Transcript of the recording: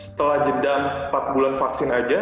setelah jeda empat bulan vaksin aja